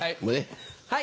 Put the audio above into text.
はい。